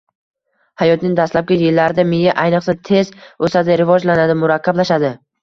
Hayotning dastlabki yillarida miya ayniqsa tez o‘sadi, rivojlanadi, murakkablashadi.